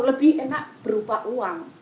lebih enak berupa uang